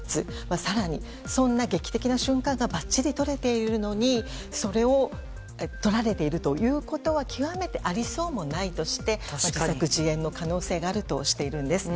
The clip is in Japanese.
更にそんな劇的な瞬間がばっちり撮れているのにそれを撮られているということは極めてありそうもないとして自作自演の可能性があるとしているんです。